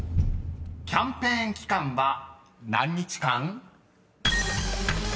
［キャンペーン期間は何日間？］